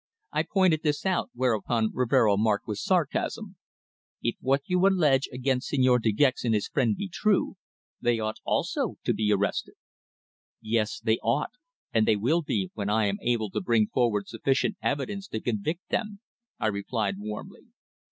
I pointed this out, whereupon Rivero remarked with sarcasm: "If what you allege against Señor De Gex and his friend be true, they ought also to be arrested." "Yes. They ought, and they will be when I am able to bring forward sufficient evidence to convict them," I replied warmly.